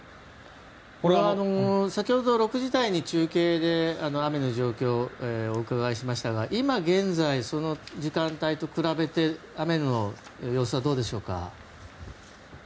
先ほど６時台に中継で雨の状況をお伺いしましたが今現在、その時間帯と比べて雨の様子はどうでしょうか？